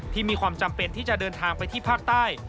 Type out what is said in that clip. มีความจำเป็นที่จะเดินทางไปที่ภาคใต้